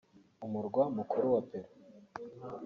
umurwa mukuru wa Peru